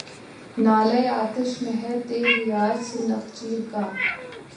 نعل آتش میں ہے تیغ یار سے نخچیر کا